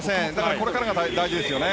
これからが大事ですよね。